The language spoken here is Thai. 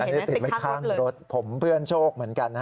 อันนี้ติดไว้ข้างรถผมเพื่อนโชคเหมือนกันนะ